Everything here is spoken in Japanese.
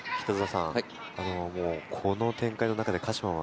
この展開の中で、鹿島は